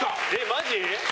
マジ？